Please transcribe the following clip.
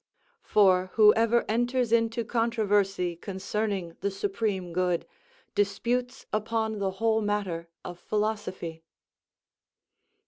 _ "For whoever enters into controversy concerning the supreme good, disputes upon the whole matter of philosophy."